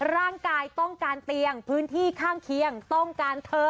ร่างกายต้องการเตียงพื้นที่ข้างเคียงต้องการเธอ